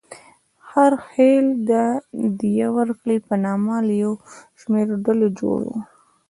هر خېل د دیه ورکړې په نامه له یو شمېر ډلو جوړ و.